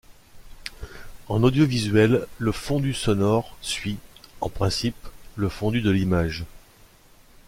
En audiovisuel, le fondu sonore suit, en principe, le fondu de l'image.